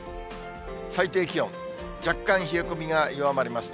最低気温、若干冷え込みが弱まります。